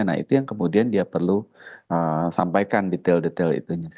nah itu yang kemudian dia perlu sampaikan detail detail itunya